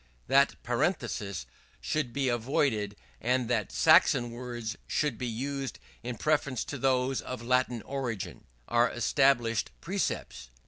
That parentheses should be avoided and that Saxon words should be used in preference to those of Latin origin, are established precepts.